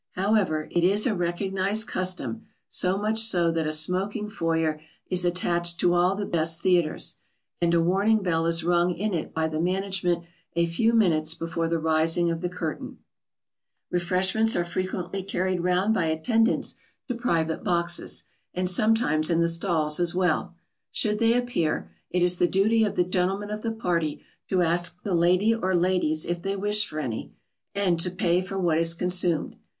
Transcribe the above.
However, it is a recognised custom, so much so that a smoking foyer is attached to all the best theatres, and a warning bell is rung in it by the management a few minutes before the rising of the curtain. [Sidenote: When refreshments are brought around.] Refreshments are frequently carried round by attendants to private boxes, and sometimes in the stalls as well. Should they appear, it is the duty of the gentleman of the party to ask the lady or ladies if they wish for any, and to pay for what is consumed.